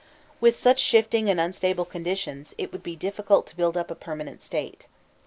With such shifting and unstable conditions, it would be difficult to build up a permanent State.